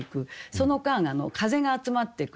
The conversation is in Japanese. その間風が集まってくる。